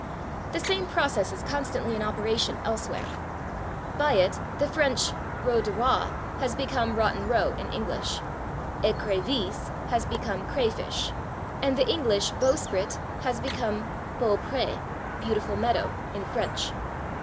The same process is constantly in operation elsewhere. By it the French /route de roi/ has become /Rotten Row/ in English, /écrevisse/ has become /crayfish/, and the English /bowsprit/ has become /beau pré/ (=/beautiful meadow/) in French.